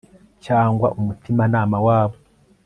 cyangwa umutimanama wabo